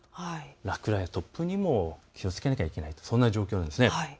落雷、突風にも気をつけなきゃいけない、そんな状況なんです。